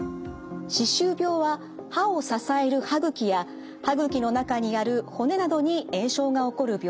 歯周病は歯を支える歯ぐきや歯ぐきの中にある骨などに炎症が起こる病気です。